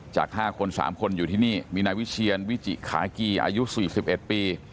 จาก๕คน๓คนอยู่ที่นี่มีนายวิเชียนวิจิขากีอายุ๔๑ปี